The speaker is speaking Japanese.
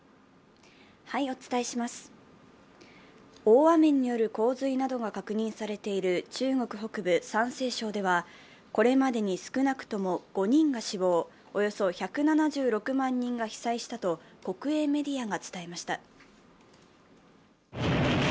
大雨による洪水などが確認されている中国北部・山西省ではこれまでに少なくとも５人が死亡、およそ１７６万人が被災したと国営メディアが伝えました。